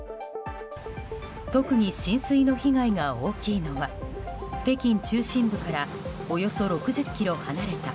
特に浸水の被害が大きいのは北京中心部からおよそ６０ｋｍ離れた